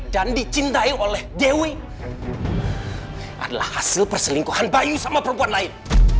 dan dicintai oleh dewi adalah hasil perselingkuhan bayu sama perempuan lain